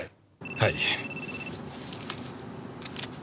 はい。